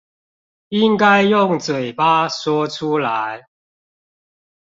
應該用嘴巴說出來